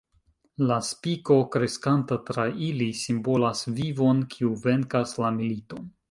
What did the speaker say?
La spiko, kreskanta tra ili, simbolas vivon, kiu venkas la militon.